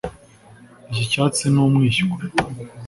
Iki cyatsi ni umwishywa